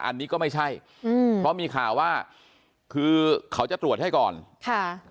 อันนี้ก็ไม่ใช่อืมเพราะมีข่าวว่าคือเขาจะตรวจให้ก่อนค่ะ